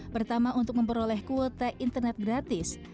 pertama untuk memperoleh kuota internet gratis